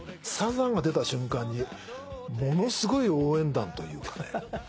サザンが出た瞬間にものすごい応援団というかね